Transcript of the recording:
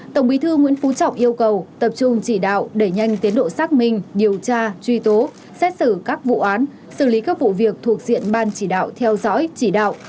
tổng bí thư nguyễn phú trọng yêu cầu tập trung chỉ đạo đẩy nhanh tiến độ xác minh điều tra truy tố xét xử các vụ án xử lý các vụ việc thuộc diện ban chỉ đạo theo dõi chỉ đạo